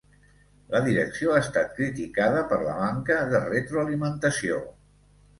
La direcció ha estat criticada per la manca de retroalimentació.